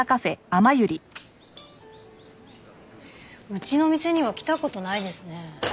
うちの店には来た事ないですね。